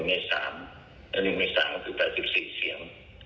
๑ใน๓คือ๘๔เสียง